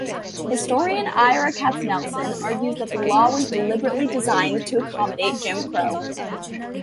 Historian Ira Katznelson argues that "the law was deliberately designed to accommodate Jim Crow".